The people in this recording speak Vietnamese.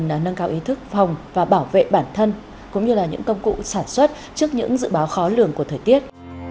chúng ta nâng cao ý thức phòng và bảo vệ bản thân cũng như là những công cụ sản xuất trước những dự báo khó lường của thời tiết